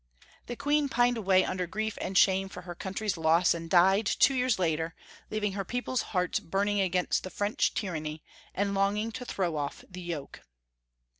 The Queen pined away under grief and shame for her country's loss, and died two years later, leaving her people's hearts burning against the French tyranny, and longing to throw off the yoke.